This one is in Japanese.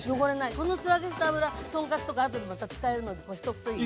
この素揚げした油豚カツとかあとでまた使えるのでこしとくといい。